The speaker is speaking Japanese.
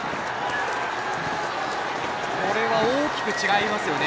これは大きく違いますよね。